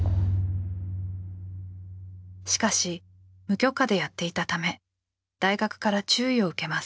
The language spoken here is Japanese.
しかし無許可でやっていたため大学から注意を受けます。